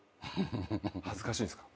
恥ずかしいんすか？